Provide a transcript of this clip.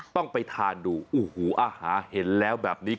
ต้องไปทานดูโอ้โหอาหารเห็นแล้วแบบนี้